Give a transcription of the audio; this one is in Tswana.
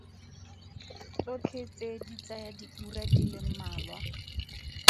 Tsotlhe tse di tsaya diura di le mmalwa.